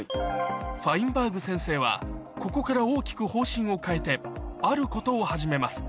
ファインバーグ先生はここから大きく方針を変えてあることを始めます